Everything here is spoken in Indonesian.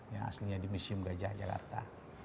yang aslinya di museum gajah jakarta